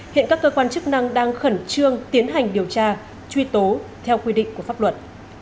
hiện các cơ quan chức năng đang khẩn trương tiến hành điều tra truy tố theo quy định của pháp luật